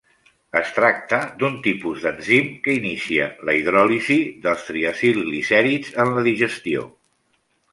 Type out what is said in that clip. Es tracta d'un tipus d'enzim que inicia la hidròlisi dels triacilglicèrids en la digestió.